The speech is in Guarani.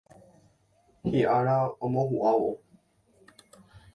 Hi'ára omohu'ãvo.